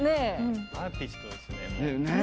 アーティストですよね。